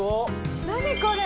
何これ！